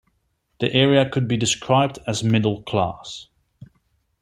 The area could be described as middle class.